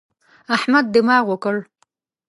احمد دماغ وکړ.